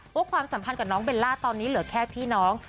ความสัมพันธ์กับน้องเบลล่าตอนนี้เหลือแค่พี่น้อง